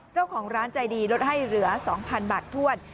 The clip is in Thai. เจ้าของร้านใจดีลดให้เหลือ๒๐๐๐บาทถ้วน